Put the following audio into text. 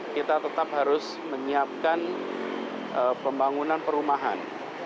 kita tetap harus menyiapkan pembangunan perumahan